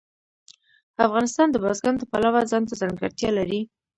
افغانستان د بزګان د پلوه ځانته ځانګړتیا لري.